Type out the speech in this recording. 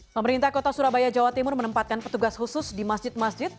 pemerintah kota surabaya jawa timur menempatkan petugas khusus di masjid masjid